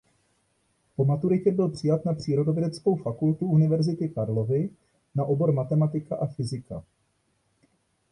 Po maturitě byl přijat na Přírodovědeckou fakultu Univerzity Karlovy na obor matematika a fyzika.